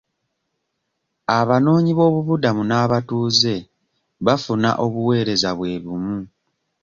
Abanoonyi b'obubuddamu n'abatuuze bafuna obuweereza bwe bumu.